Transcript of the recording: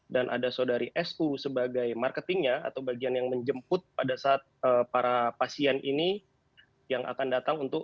dan ada sodari s u sebagai marketingnya atau bagian yang menjemput pada saat para pasien ini yang akan datang untuk